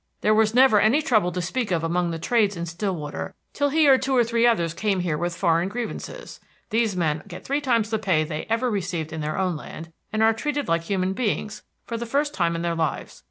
There was never any trouble to speak of among the trades in Stillwater till he and two or three others came here with foreign grievances. These men get three times the pay they ever received in their own land, and are treated like human beings for the first time in their lives.